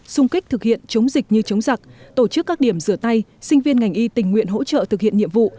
xung kích thực hiện chống dịch như chống giặc tổ chức các điểm rửa tay sinh viên ngành y tình nguyện hỗ trợ thực hiện nhiệm vụ